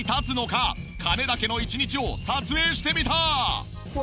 金田家の１日を撮影してみた！